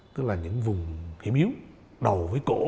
tức là những vùng hiểm yếu đầu với cổ